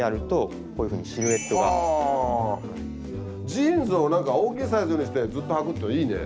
ジーンズをなんか大きいサイズにしてずっとはくといいね。